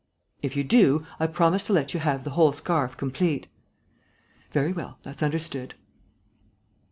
"If you do, I promise to let you have the whole scarf complete." "Very well, that's understood."